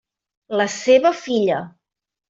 La seva filla.